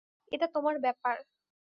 এটা তোমার ব্যাপার।